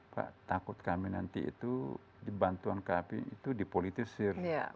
pak takut kami nanti itu dibantuan kami itu dipolitisir